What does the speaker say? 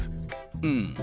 うん。